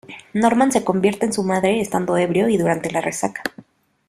Norman se convierte en su madre estando ebrio y durante la resaca.